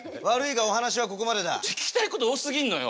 聞きたいこと多すぎんのよ。